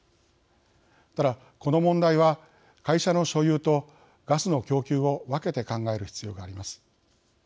ただ、この問題は会社の所有とガスの供給を分けて考える必要があります。